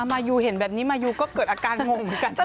มายูเห็นแบบนี้มายูก็เกิดอาการงงเหมือนกัน